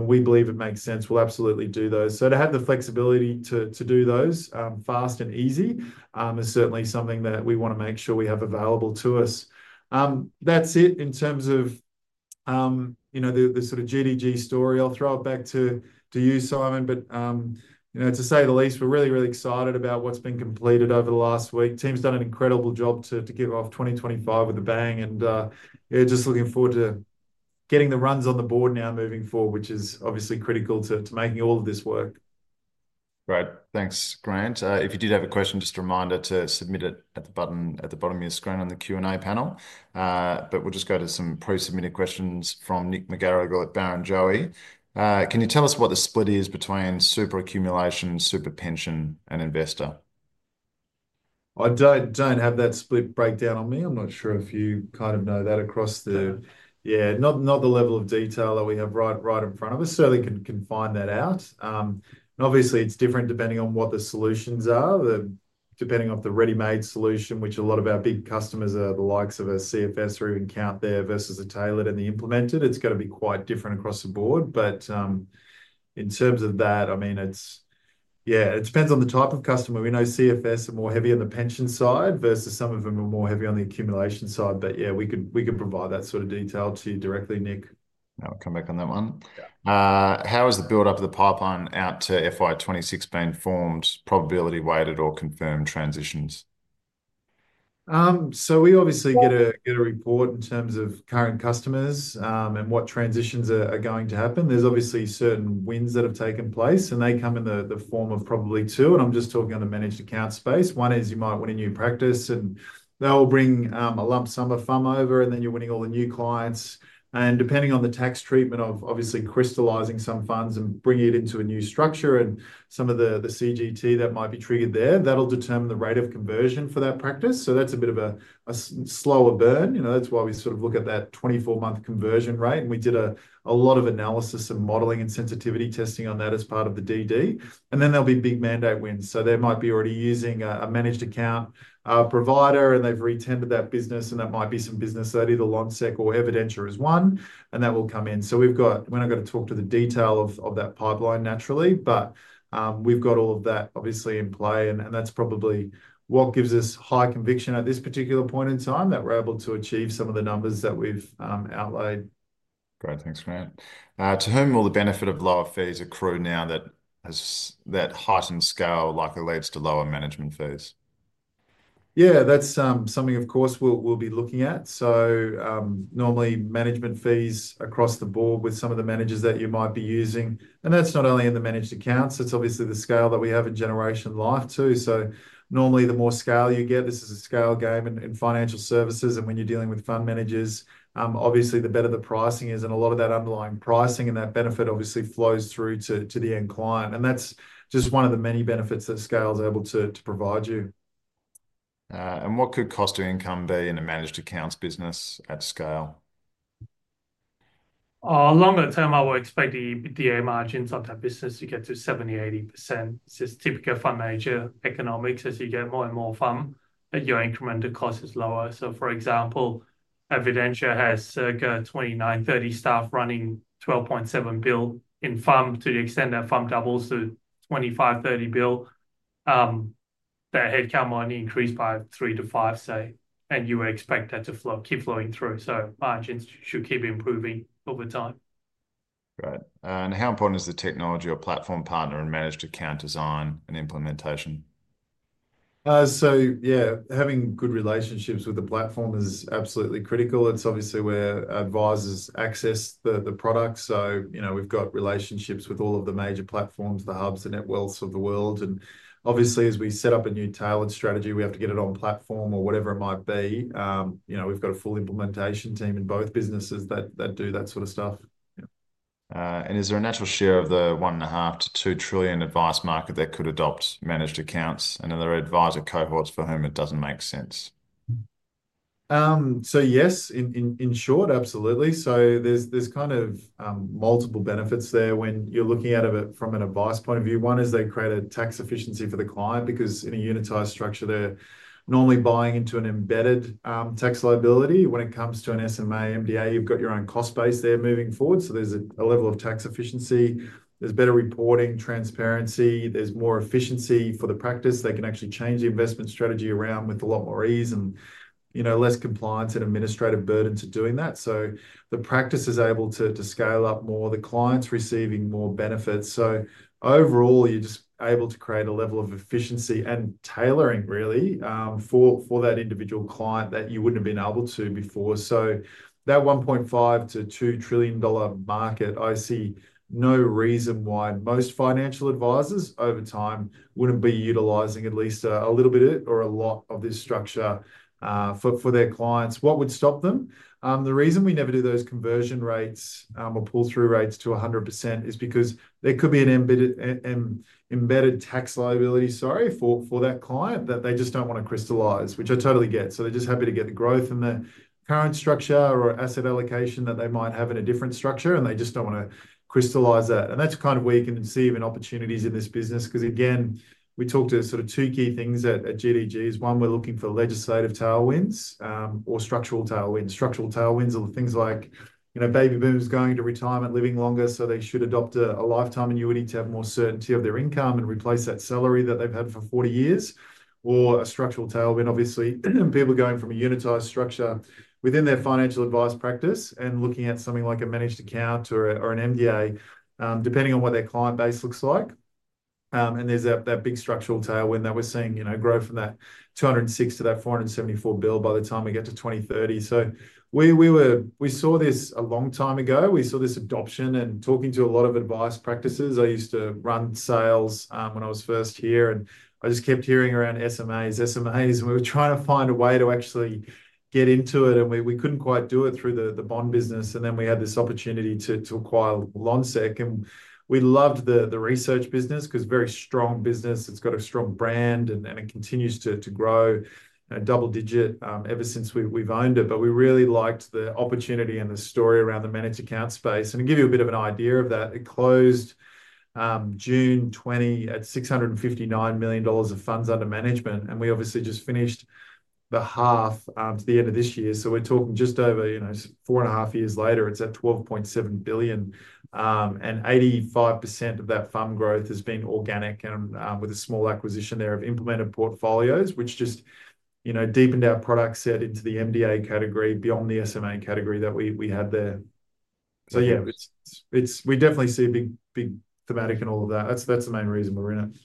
we believe it makes sense. We'll absolutely do those, so to have the flexibility to do those fast and easy is certainly something that we want to make sure we have available to us. That's it in terms of the sort of GDG story. I'll throw it back to you, Simon. But to say the least, we're really, really excited about what's been completed over the last week. Team's done an incredible job to kick off 2025 with a bang, and yeah, just looking forward to getting the runs on the board now moving forward, which is obviously critical to making all of this work. Right. Thanks, Grant. If you did have a question, just a reminder to submit it at the button at the bottom of your screen on the Q&A panel. But we'll just go to some pre-submitted questions from Nick McGarrigle at Barrenjoey. Can you tell us what the split is between super accumulation, super pension, and investor? I don't have that split breakdown on me. I'm not sure if you kind of know that across the, yeah, not the level of detail that we have right in front of us. Certainly can find that out. Obviously, it's different depending on what the solutions are, depending on the ready-made solution, which a lot of our big customers are the likes of CFS or even Count, there versus a tailor-made and the Implemented. It's going to be quite different across the board. But in terms of that, I mean, yeah, it depends on the type of customer. We know CFS are more heavy on the pension side versus some of them are more heavy on the accumulation side. But yeah, we could provide that sort of detail to you directly, Nick. I'll come back on that one. How has the build-up of the pipeline out to FY26 been formed, probability-weighted, or confirmed transitions? So we obviously get a report in terms of current customers and what transitions are going to happen. There's obviously certain wins that have taken place, and they come in the form of probably two. And I'm just talking on the managed account space. One is you might win a new practice, and that will bring a lump sum of FUM over, and then you're winning all the new clients. And depending on the tax treatment of obviously crystallizing some funds and bringing it into a new structure and some of the CGT that might be triggered there, that'll determine the rate of conversion for that practice. So that's a bit of a slower burn. That's why we sort of look at that 24-month conversion rate. And we did a lot of analysis and modeling and sensitivity testing on that as part of the DD. And then there'll be big mandate wins. So they might be already using a managed account provider, and they've re-tendered that business. And that might be some business that either Lonsec or Evidentia has won, and that will come in. So we've got, we're not going to talk to the detail of that pipeline, naturally, but we've got all of that obviously in play. And that's probably what gives us high conviction at this particular point in time that we're able to achieve some of the numbers that we've outlined. Great. Thanks, Grant. To whom will the benefit of lower fees accrue now that heightened scale likely leads to lower management fees? Yeah, that's something, of course, we'll be looking at. So normally management fees across the board with some of the managers that you might be using. And that's not only in the managed accounts. It's obviously the scale that we have in Generation Life too. So normally the more scale you get, this is a scale game in financial services. And when you're dealing with fund managers, obviously the better the pricing is. And a lot of that underlying pricing and that benefit obviously flows through to the end client. And that's just one of the many benefits that scale is able to provide you. And what could cost to income be in a managed accounts business at scale? Longer term, I would expect the EBITDA margins of that business to get to 70%-80%. It's just typical fund manager economics. As you get more and more FUM, your incremental cost is lower. So for example, Evidentia has circa 29-30 staff running $12.7 billion in FUM to the extent that FUM doubles to $25-30 billion. That headcount might increase by three to five, say, and you would expect that to keep flowing through. So margins should keep improving over time. Right. And how important is the technology or platform partner in managed account design and implementation? So yeah, having good relationships with the platform is absolutely critical. It's obviously where advisors access the product. So we've got relationships with all of the major platforms, the Hubs and Netwealths of the world. And obviously, as we set up a new tailored strategy, we have to get it on platform or whatever it might be. We've got a full implementation team in both businesses that do that sort of stuff. And is there a natural share of the $1.5-$2 trillion advice market that could adopt managed accounts? And are there advisor cohorts for whom it doesn't make sense? So yes, in short, absolutely. So there's kind of multiple benefits there when you're looking at it from an advice point of view. One is they create a tax efficiency for the client because in a unitised structure, they're normally buying into an embedded tax liability. When it comes to an SMA, MDA, you've got your own cost base there moving forward. So there's a level of tax efficiency. There's better reporting, transparency. There's more efficiency for the practice. They can actually change the investment strategy around with a lot more ease and less compliance and administrative burden to doing that. So the practice is able to scale up more. The client's receiving more benefits. So overall, you're just able to create a level of efficiency and tailoring, really, for that individual client that you wouldn't have been able to before. That $1.5-$2 trillion-dollar market. I see no reason why most financial advisors over time wouldn't be utilising at least a little bit of it or a lot of this structure for their clients. What would stop them? The reason we never do those conversion rates or pull-through rates to 100% is because there could be an embedded tax liability, sorry, for that client that they just don't want to crystallise, which I totally get. So they're just happy to get the growth in the current structure or asset allocation that they might have in a different structure, and they just don't want to crystallise that. And that's kind of where you can see even opportunities in this business. Because again, we talked to sort of two key things at GDG. One, we're looking for legislative tailwinds or structural tailwinds. Structural tailwinds are things like baby boomers going into retirement, living longer, so they should adopt a lifetime annuity to have more certainty of their income and replace that salary that they've had for 40 years. Or a structural tailwind, obviously, people going from a unitised structure within their financial advice practice and looking at something like a managed account or an MDA, depending on what their client base looks like. And there's that big structural tailwind that we're seeing grow from that $206 billion to that $474 billion by the time we get to 2030. So we saw this a long time ago. We saw this adoption and talking to a lot of advice practices. I used to run sales when I was first here, and I just kept hearing around SMAs, SMAs, and we were trying to find a way to actually get into it. We couldn't quite do it through the bond business. Then we had this opportunity to acquire Lonsec. We loved the research business because it's a very strong business. It's got a strong brand, and it continues to grow double-digit ever since we've owned it. But we really liked the opportunity and the story around the managed account space. To give you a bit of an idea of that, it closed June 20 at 659 million dollars of funds under management. We obviously just finished the half to the end of this year. We're talking just over four and a half years later. It's at 12.7 billion. 85% of that fund growth has been organic and with a small acquisition there of Implemented Portfolios, which just deepened our product set into the MDA category beyond the SMA category that we had there. So yeah, we definitely see a big thematic in all of that. That's the main reason we're in it.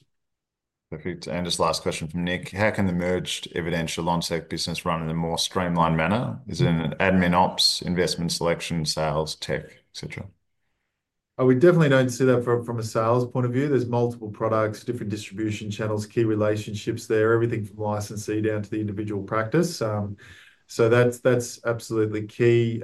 Perfect. And just last question from Nick. How can the merged Evidentia Lonsec business run in a more streamlined manner? Is it an admin ops, investment selection, sales, tech, etc.? We definitely don't see that from a sales point of view. There's multiple products, different distribution channels, key relationships there, everything from licensee down to the individual practice. So that's absolutely key.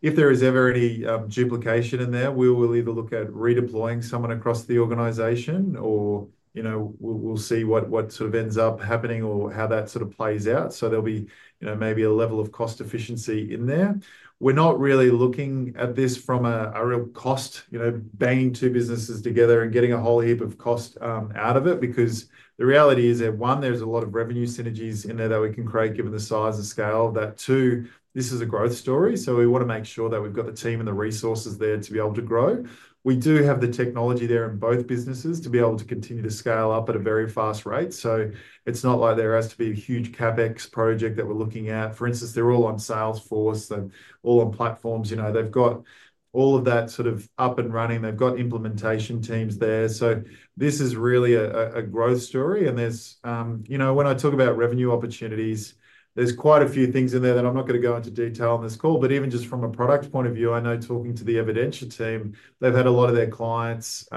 If there is ever any duplication in there, we will either look at redeploying someone across the organisation or we'll see what sort of ends up happening or how that sort of plays out. So there'll be maybe a level of cost efficiency in there. We're not really looking at this from a real cost, banging two businesses together and getting a whole heap of cost out of it because the reality is that, one, there's a lot of revenue synergies in there that we can create given the size and scale of that. Two, this is a growth story. So we want to make sure that we've got the team and the resources there to be able to grow. We do have the technology there in both businesses to be able to continue to scale up at a very fast rate. So it's not like there has to be a huge CapEx project that we're looking at. For instance, they're all on Salesforce. They're all on platforms. They've got all of that sort of up and running. They've got implementation teams there. So this is really a growth story. When I talk about revenue opportunities, there's quite a few things in there that I'm not going to go into detail on this call. Even just from a product point of view, I know talking to the Evidentia team, they've had a lot of their clients,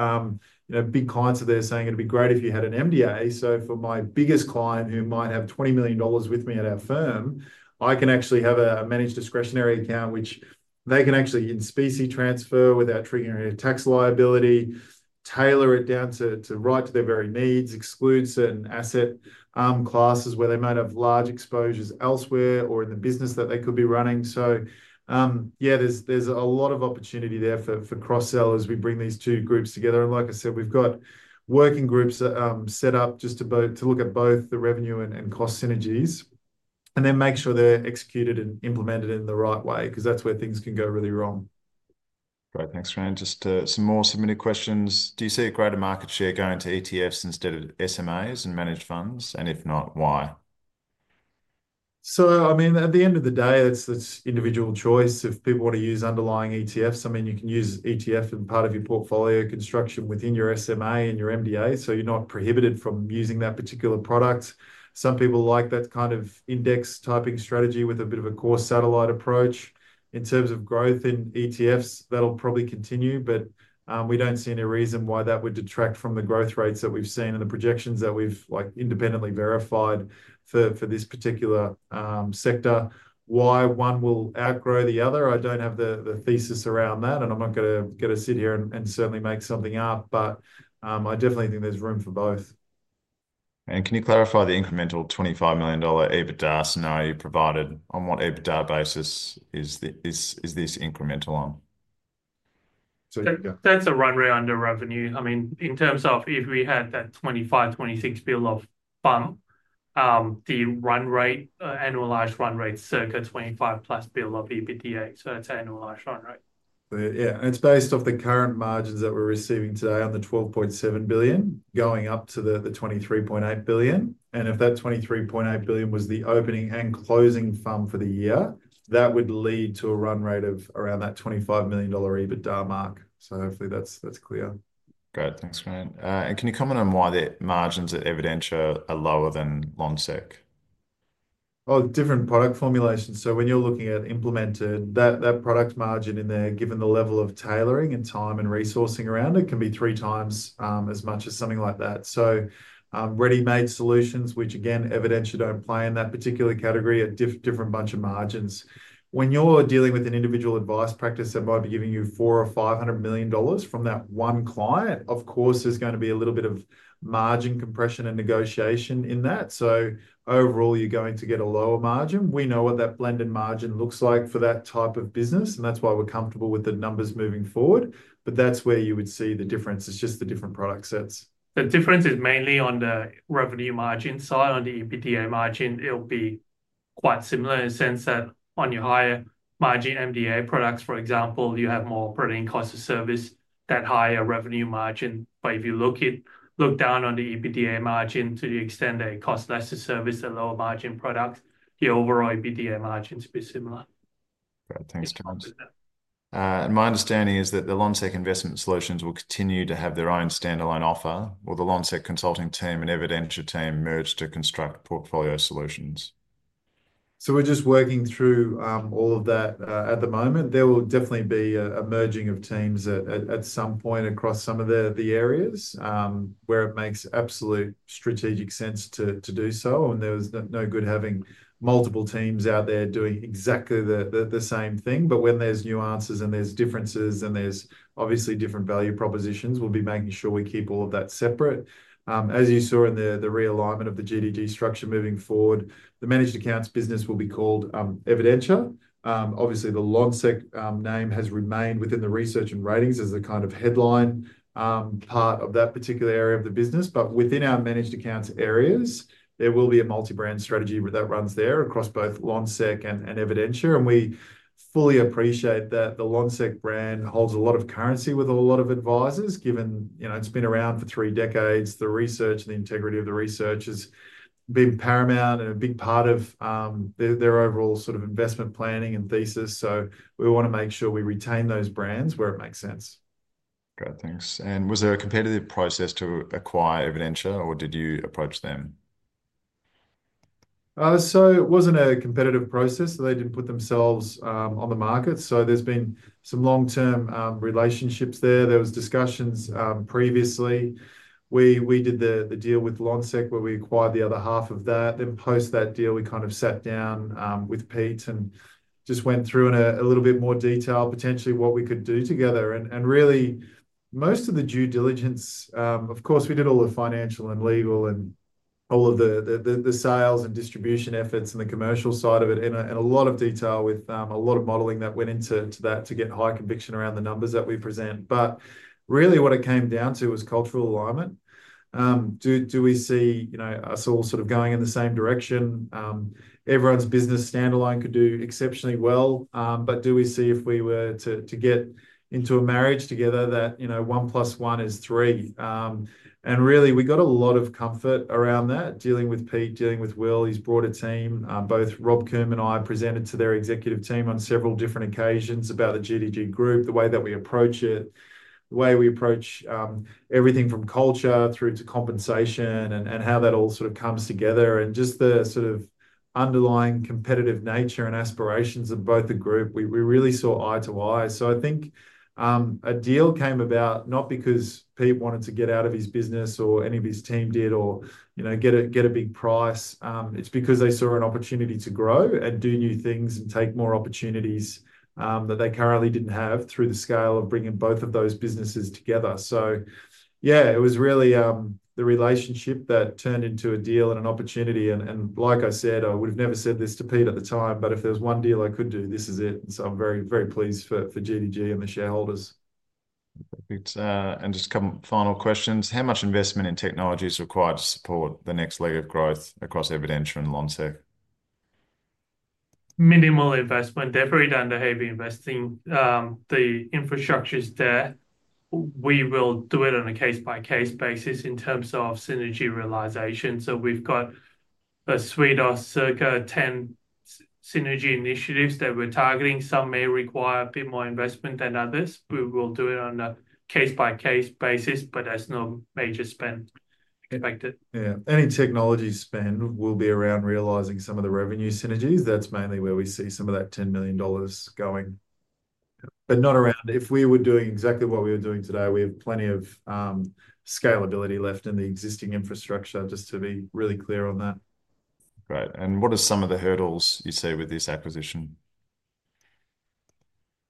big clients of theirs saying, "It'd be great if you had an MDA." For my biggest client who might have 20 million dollars with me at our firm, I can actually have a managed discretionary account, which they can actually in specie transfer without triggering a tax liability, tailor it down to right to their very needs, exclude certain asset classes where they might have large exposures elsewhere or in the business that they could be running. Yeah, there's a lot of opportunity there for cross-sellers. We bring these two groups together. Like I said, we've got working groups set up just to look at both the revenue and cost synergies and then make sure they're executed and Implemented in the right way because that's where things can go really wrong. Right. Thanks, Grant. Just some more submitted questions. Do you see a greater market share going to ETFs instead of SMAs and managed funds? And if not, why? I mean, at the end of the day, it's individual choice of people want to use underlying ETFs. I mean, you can use ETF as part of your portfolio construction within your SMA and your MDA. You're not prohibited from using that particular product. Some people like that kind of index typing strategy with a bit of a core satellite approach. In terms of growth in ETFs, that'll probably continue. We don't see any reason why that would detract from the growth rates that we've seen and the projections that we've independently verified for this particular sector. Why one will outgrow the other, I don't have the thesis around that. I'm not going to sit here and certainly make something up. I definitely think there's room for both. Can you clarify the incremental $25 million EBITDA scenario you provided on what EBITDA basis is this incremental on? That's a run rate under revenue. I mean, in terms of if we had that 25-26 billion of funds, the annualized run rate is circa $25 million of EBITDA. That's an annualized run rate. Yeah. It's based off the current margins that we're receiving today on the $12.7 billion going up to the $23.8 billion. If that $23.8 billion was the opening and closing fund for the year, that would lead to a run rate of around that $25 million EBITDA mark. So hopefully that's clear. Great. Thanks, Grant. Can you comment on why the margins at Evidentia are lower than Lonsec? Oh, different product formulations. So when you're looking at Implemented, that product margin in there, given the level of tailoring and time and resourcing around it, can be three times as much as something like that. So ready-made solutions, which again, Evidentia don't play in that particular category, a different bunch of margins. When you're dealing with an individual advice practice that might be giving you $400 or $500 million from that one client, of course, there's going to be a little bit of margin compression and negotiation in that. So overall, you're going to get a lower margin. We know what that blended margin looks like for that type of business, and that's why we're comfortable with the numbers moving forward, but that's where you would see the difference. It's just the different product sets. The difference is mainly on the revenue margin side. On the EBITDA margin, it'll be quite similar in the sense that on your higher margin MDA products, for example, you have more operating costs to service that higher revenue margin. But if you look at the EBITDA margin, to the extent they cost less to service the lower margin products, your overall EBITDA margin is a bit similar. Great. Thanks, Tom. And my understanding is that the Lonsec Investment Solutions will continue to have their own standalone offer or the Lonsec consulting team and Evidentia team merged to construct portfolio solutions. So we're just working through all of that at the moment. There will definitely be a merging of teams at some point across some of the areas where it makes absolute strategic sense to do so. And there's no good having multiple teams out there doing exactly the same thing. But when there's nuances and there's differences and there's obviously different value propositions, we'll be making sure we keep all of that separate. As you saw in the realignment of the GDG structure moving forward, the managed accounts business will be called Evidentia. Obviously, the Lonsec name has remained within the research and ratings as the kind of headline part of that particular area of the business. But within our managed accounts areas, there will be a multi-brand strategy that runs there across both Lonsec and Evidentia. And we fully appreciate that the Lonsec brand holds a lot of currency with a lot of advisors, given it's been around for three decades. The research and the integrity of the research has been paramount and a big part of their overall sort of investment planning and thesis. So we want to make sure we retain those brands where it makes sense. Great. Thanks. And was there a competitive process to acquire Evidentia or did you approach them? So it wasn't a competitive process. They didn't put themselves on the market. So there's been some long-term relationships there. There were discussions previously. We did the deal with Lonsec where we acquired the other half of that. Then post that deal, we kind of sat down with Pete and just went through in a little bit more detail potentially what we could do together. Really, most of the due diligence, of course, we did all the financial and legal and all of the sales and distribution efforts and the commercial side of it in a lot of detail with a lot of modeling that went into that to get high conviction around the numbers that we present. But really, what it came down to was cultural alignment. Do we see us all sort of going in the same direction? Everyone's business standalone could do exceptionally well. But do we see if we were to get into a marriage together that one plus one is three? Really, we got a lot of comfort around that, dealing with Pete, dealing with Will, his broader team. Both Rob Coombe and I presented to their executive team on several different occasions about the GDG group, the way that we approach it, the way we approach everything from culture through to compensation and how that all sort of comes together, and just the sort of underlying competitive nature and aspirations of both the group. We really saw eye to eye, so I think a deal came about not because Pete wanted to get out of his business or any of his team did or get a big price. It's because they saw an opportunity to grow and do new things and take more opportunities that they currently didn't have through the scale of bringing both of those businesses together, so yeah, it was really the relationship that turned into a deal and an opportunity. Like I said, I would have never said this to Pete at the time, but if there's one deal I could do, this is it. And so I'm very, very pleased for GDG and the shareholders. Perfect. And just a couple of final questions. How much investment in technology is required to support the next leg of growth across Evidentia and Lonsec? Minimal investment. Every time they have investing, the infrastructure is there. We will do it on a case-by-case basis in terms of synergy realisation. So we've got a suite of circa 10 synergy initiatives that we're targeting. Some may require a bit more investment than others. We will do it on a case-by-case basis, but that's no major spend expected. Yeah. Any technology spend will be around realizing some of the revenue synergies. That's mainly where we see some of that 10 million dollars going. But not around if we were doing exactly what we were doing today. We have plenty of scalability left in the existing infrastructure, just to be really clear on that. Great. And what are some of the hurdles you see with this acquisition?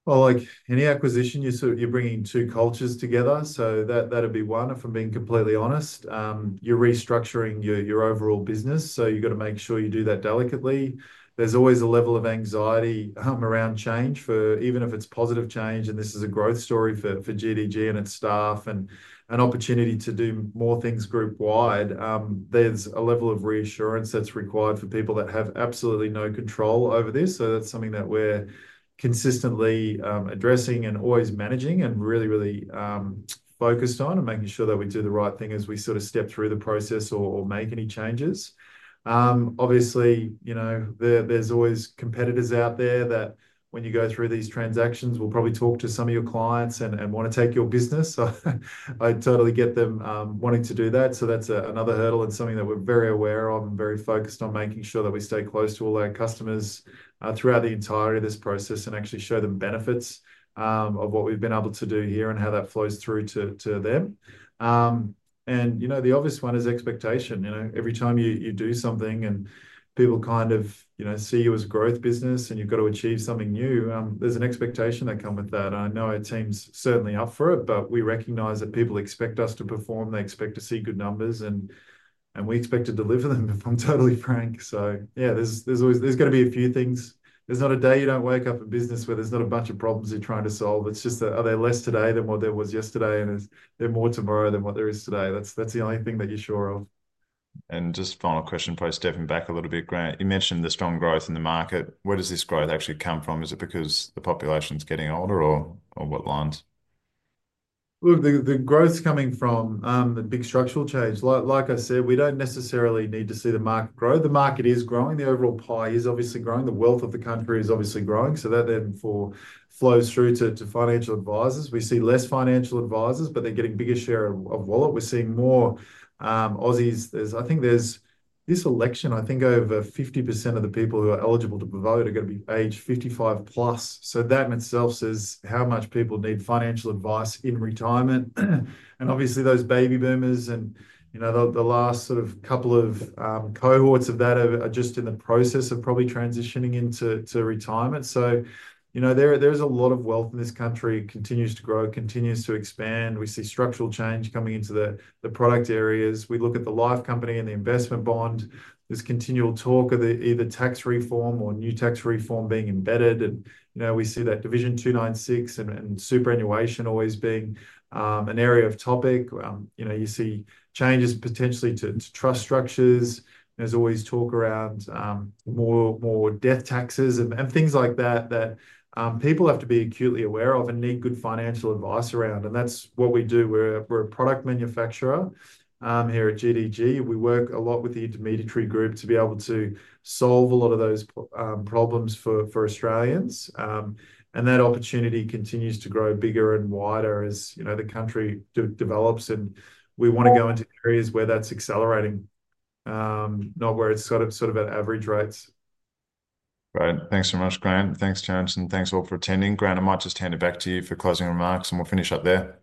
Well, like any acquisition, you're bringing two cultures together. So that'd be one, if I'm being completely honest. You're restructuring your overall business. So you've got to make sure you do that delicately. There's always a level of anxiety around change, even if it's positive change. And this is a growth story for GDG and its staff and an opportunity to do more things group-wide. There's a level of reassurance that's required for people that have absolutely no control over this. So that's something that we're consistently addressing and always managing and really, really focused on and making sure that we do the right thing as we sort of step through the process or make any changes. Obviously, there's always competitors out there that when you go through these transactions, will probably talk to some of your clients and want to take your business. So I totally get them wanting to do that. So that's another hurdle and something that we're very aware of and very focused on making sure that we stay close to all our customers throughout the entirety of this process and actually show them benefits of what we've been able to do here and how that flows through to them. And the obvious one is expectation. Every time you do something and people kind of see you as a growth business and you've got to achieve something new, there's an expectation that comes with that. And I know our team's certainly up for it, but we recognize that people expect us to perform. They expect to see good numbers, and we expect to deliver them, if I'm totally frank. So yeah, there's going to be a few things. There's not a day you don't wake up in business where there's not a bunch of problems you're trying to solve. It's just that are there less today than what there was yesterday, and is there more tomorrow than what there is today? That's the only thing that you're sure of. And just final question, probably stepping back a little bit, Grant. You mentioned the strong growth in the market. Where does this growth actually come from? Is it because the population's getting older or what lines? Look, the growth's coming from the big structural change. Like I said, we don't necessarily need to see the market grow. The market is growing. The overall pie is obviously growing. The wealth of the country is obviously growing. So that then flows through to financial advisors. We see less financial advisors, but they're getting a bigger share of wallet. We're seeing more Aussies. I think there's this election, I think over 50% of the people who are eligible to vote are going to be aged 55 plus. So that in itself says how much people need financial advice in retirement. And obviously, those baby boomers and the last sort of couple of cohorts of that are just in the process of probably transitioning into retirement. There is a lot of wealth in this country that continues to grow and continues to expand. We see structural change coming into the product areas. We look at the life company and the investment bond. There's continual talk of either tax reform or new tax reform being embedded. We see that Division 296 and superannuation always being an area of topic. You see changes potentially to trust structures. There's always talk around more death taxes and things like that that people have to be acutely aware of and need good financial advice around. That's what we do. We're a product manufacturer here at GDG. We work a lot with the intermediary group to be able to solve a lot of those problems for Australians. That opportunity continues to grow bigger and wider as the country develops. And we want to go into areas where that's accelerating, not where it's sort of at average rates. Great. Thanks so much, Grant. Thanks, Terence. And thanks all for attending. Grant, I might just hand it back to you for closing remarks, and we'll finish up there.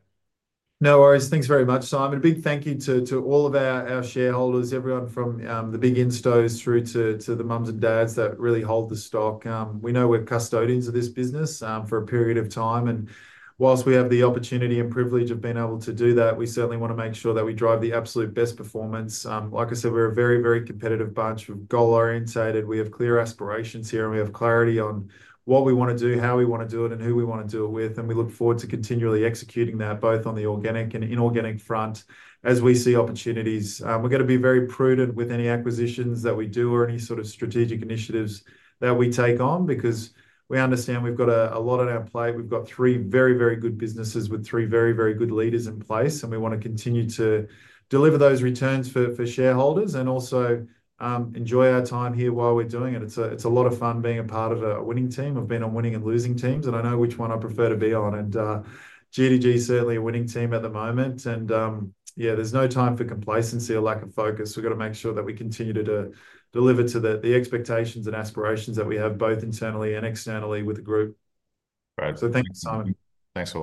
No worries. Thanks very much, Simon. A big thank you to all of our shareholders, everyone from the big instos through to the mums and dads that really hold the stock. We know we're custodians of this business for a period of time. And whilst we have the opportunity and privilege of being able to do that, we certainly want to make sure that we drive the absolute best performance. Like I said, we're a very, very competitive bunch of goal-oriented. We have clear aspirations here, and we have clarity on what we want to do, how we want to do it, and who we want to do it with. And we look forward to continually executing that both on the organic and inorganic front as we see opportunities. We're going to be very prudent with any acquisitions that we do or any sort of strategic initiatives that we take on because we understand we've got a lot on our plate. We've got three very, very good businesses with three very, very good leaders in place, and we want to continue to deliver those returns for shareholders and also enjoy our time here while we're doing it. It's a lot of fun being a part of a winning team. I've been on winning and losing teams, and I know which one I prefer to be on. GDG is certainly a winning team at the moment. And yeah, there's no time for complacency or lack of focus. We've got to make sure that we continue to deliver to the expectations and aspirations that we have both internally and externally with the group. Thanks, Simon. Thanks.